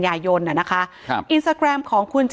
ถ้าใครอยากรู้ว่าลุงพลมีโปรแกรมทำอะไรที่ไหนยังไง